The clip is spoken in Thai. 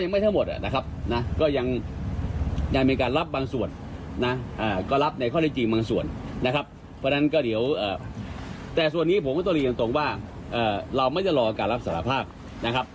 ไม่ต้องรออากาศรัพธ์ภาพนะครับ